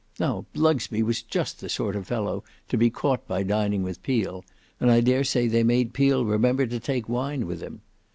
Now Blugsby was just the sort of fellow to be caught by dining with Peel: and I dare say they made Peel remember to take wine with him.